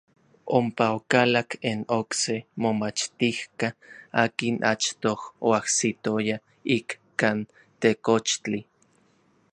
Ompa okalak n okse momachtijka akin achtoj oajsitoya ikkan tekochtli.